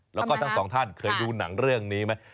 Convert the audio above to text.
แล้วก็ทั้งสองท่านเคยดูหนังเรื่องนี้ไหม